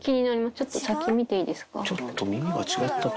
ちょっと先見ていいですか？